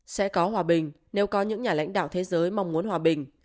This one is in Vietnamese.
sẽ có hòa bình nếu có những nhà lãnh đạo thế giới mong muốn hòa bình